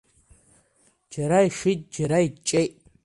Џьара ишит, џьара иҷҷеит.